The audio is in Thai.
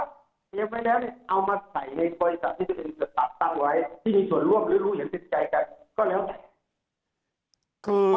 ที่มีส่วนร่วมหรือรู้เห็นสิทธิ์ใจกันก็แล้วมันก็กลับเป็นระบอบเดิม